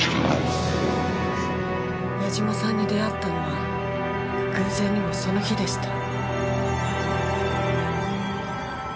八嶋さんに出会ったのは偶然にもその日でした。